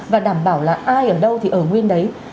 và đảm bảo là ai ở đâu thì ở nguyên đấy